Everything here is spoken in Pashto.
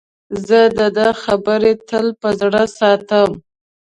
زه د ده خبرې تل په زړه ساتم.